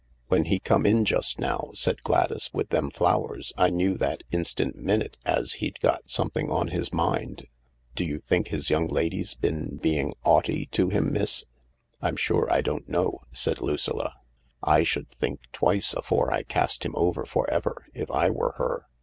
"When he come in just now," said Gladys, "with them flowers, I knew that instant minute as he'd got something on his mind. Do you think his young lady's been being 'aughty to him, miss ?"" I'm sure I don't know," said Lucilla. " J should think twice afore I cast him off for ever, if I was her.